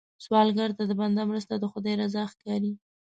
سوالګر ته د بنده مرسته، د خدای رضا ښکاري